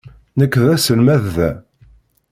Nekk d aselmad da.